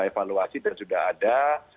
evaluasi dan sudah ada